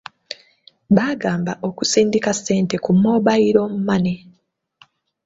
Baagamba okusindika ssente ku mobayiro mmane.